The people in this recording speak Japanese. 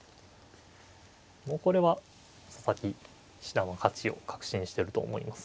もうこれは佐々木七段は勝ちを確信してると思います。